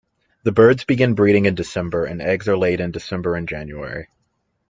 The birds begin breeding in December and eggs are laid in December and January.